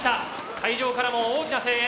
会場からも大きな声援。